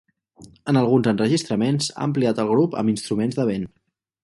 En alguns enregistraments ha ampliat el grup amb instruments de vent.